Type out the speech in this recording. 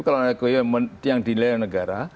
kalau iq yang dinilai negara